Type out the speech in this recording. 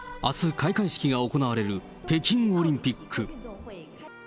あす開会式が行われる、北京オリンピック。